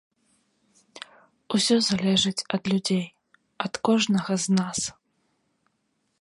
Усё залежыць ад людзей, ад кожнага з нас.